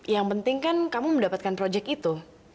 yang penting kan kamu mendapatkan project itu